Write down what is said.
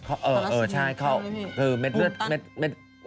ทาลาซิเมียคืออะไรนี่ภูมิตั้ง